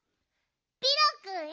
ピロくんへ。